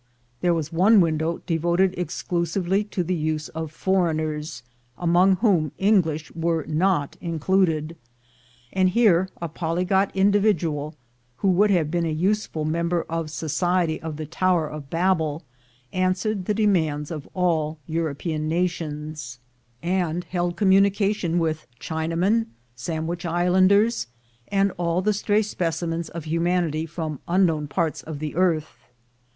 There was one window devoted exclusively to the use of foreigners, among whom English were not in cluded ; and here a polyglot individual, who would have been a useful member of society of the Tower of Babel, answered the demands of all European nations, 92 THE GOLD HUNTERS and held communication with Chinamen, Sandwich Islanders, and all the stray specimens of humanity from unknown parts of the earth.